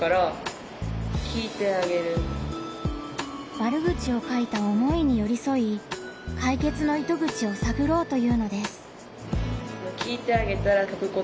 悪口を書いた思いによりそい解決の糸口を探ろうというのです。